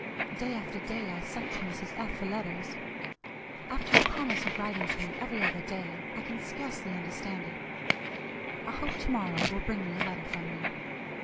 Day after day I sent to Mrs. F. for letters. After your promise of writing to me every other day, I can scarcely understand it. I hope to morrow will bring me a letter from you.